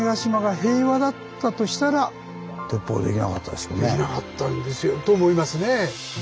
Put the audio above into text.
ですからできなかったんですよと思いますね。